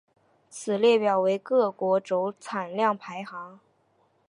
此列表为各国铀产量排行。